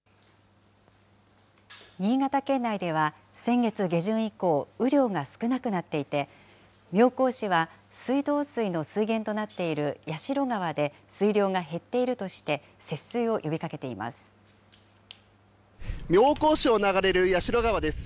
新潟県内では先月下旬以降、雨量が少なくなっていて、妙高市は水道水の水源となっている矢代川で水量が減っているとし妙高市を流れる矢代川です。